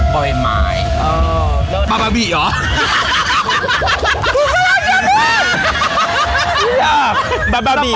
ก็ใช่มาเหลือว่าทุนัย